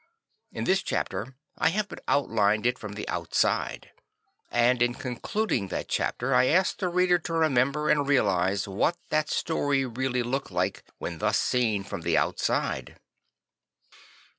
In this chapter I have but out lined it from the outside. And in concluding that chapter I ask the reader to remember and realise what that story really looked like, when thus seen from the outside.